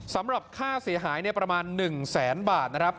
สำหรับค่าเสียหายประมาณ๑แสนบาทนะครับ